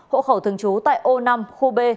hộ khẩu thường chú tại ô năm khu b